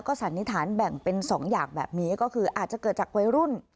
สันนิษฐานแบ่งเป็น๒อย่างแบบนี้ก็คืออาจจะเกิดจากวัยรุ่น